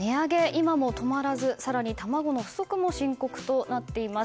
今も止まらず、更に卵の不足も深刻となっています。